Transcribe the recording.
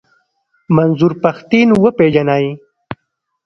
منظور پښتين و پېژنئ.